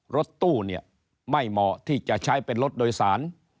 รถตู้ไม่เหมาะที่จะใช้เป็นรถโดยศาล